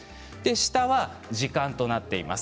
下は時間となっています。